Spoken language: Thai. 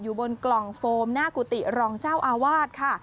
บนกล่องโฟมหน้ากุฏิรองเจ้าอาวาสค่ะ